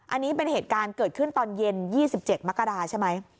อันนี้เป็นเหตุการณ์เกิดขึ้นตอนเย็น๒๗มกราใช่ไหม